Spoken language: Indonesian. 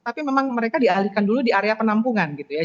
tapi memang mereka dialihkan dulu di area penampungan gitu ya